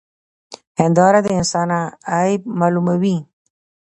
هنداره د انسان عيب معلوموي.